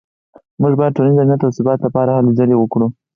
موږ باید د ټولنیز امنیت او ثبات لپاره هلې ځلې وکړو